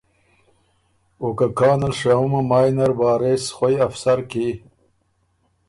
او که کانل شهُمه مای نر وارث خوئ افسر کی